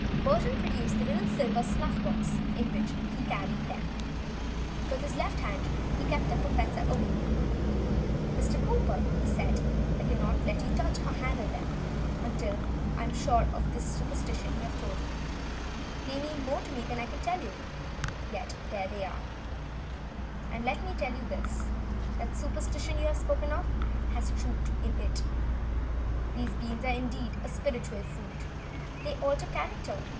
Burton produced the little silver snuff box in which he carried them. With his left hand he kept the professor away. "Mr. Cowper," he said, "I cannot let you touch them or handle them. They mean more to me than I can tell you, yet there they are. Look at them. And let me tell you this. That old superstition you have spoken of has truth in it. These beans are indeed a spiritual food. They alter character.